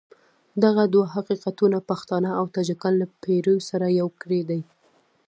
دغه دوه حقیقتونه پښتانه او تاجکان له پېړیو سره يو کړي دي.